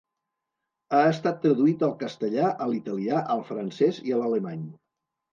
Ha estat traduït al castellà, a l'italià, al francès i a l'alemany.